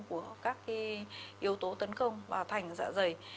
của các yếu tố tấn công vào thành dạ dày